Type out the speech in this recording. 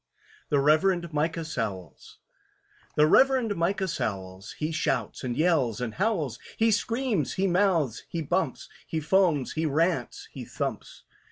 THE REVEREND MICAH SOWLS THE REVEREND MICAH SOWLS, He shouts and yells and howls, He screams, he mouths, he bumps, He foams, he rants, he thumps.